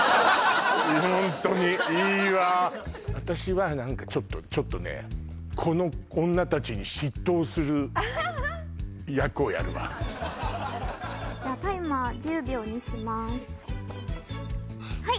ホントにいいわ私は何かちょっとちょっとねをやるわじゃあタイマー１０秒にしますはい・